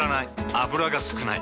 油が少ない。